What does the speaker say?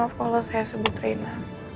maaf kalau saya sebut raina